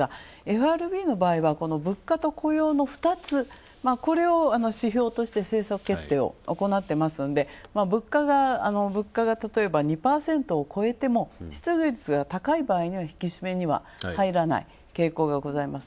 ＦＲＢの場合は、物価と雇用２つ、これを指標として政策決定してますので物価がたとえば２％を超えても引き締めには入らない傾向がございます。